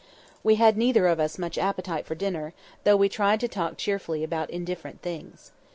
We had neither of us much appetite for dinner, though we tried to talk cheerfully about indifferent things.